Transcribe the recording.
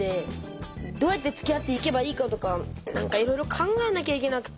どうやってつきあっていけばいいかとかなんかいろいろ考えなきゃいけなくて。